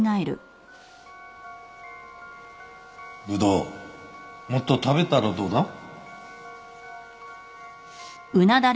ブドウもっと食べたらどうだ？